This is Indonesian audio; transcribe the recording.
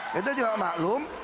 kita juga maklum